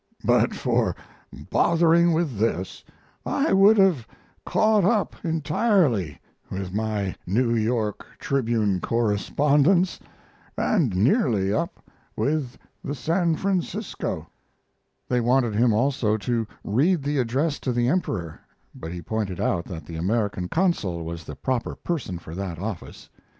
But for bothering with this I would have caught up entirely with my New York Tribune correspondence and nearly up with the San Francisco. They wanted him also to read the address to the Emperor, but he pointed out that the American consul was the proper person for that office.